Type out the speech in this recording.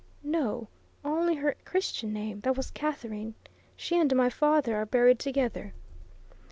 "No, only her Christian name; that was Catherine. She and my father are buried together."